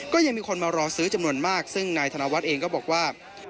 ก็ยังมีคนมารอซื้อจำนวนมากซึ่งนายธนวัฒน์เองก็บอกว่า